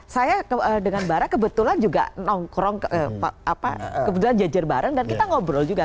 saya dengan bara kebetulan juga nongkrong kebetulan jajar bareng dan kita ngobrol juga